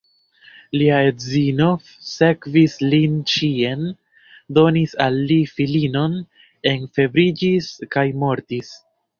Lia edzino sekvis lin ĉien, donis al li filinon, enfebriĝis, kaj mortis.